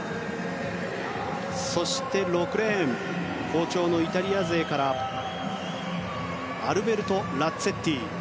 そして６レーン好調のイタリア勢からアルベルト・ラッツェッティ。